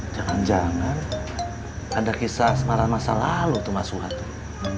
jangan jangan ada kisah semara masa lalu tuh mas suha tuh